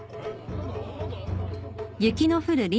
何だ？